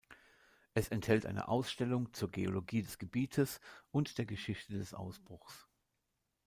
Es enthält eine Ausstellung zur Geologie des Gebietes und der Geschichte des Ausbruchs.